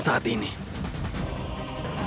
jurus apa yang digunakan saat ini